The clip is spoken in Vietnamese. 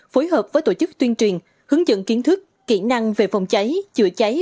phối hợp với tổ chức tuyên truyền hướng dẫn kiến thức kỹ năng về phòng cháy chữa cháy